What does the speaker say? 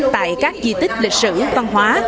tại các di tích lịch sử văn hóa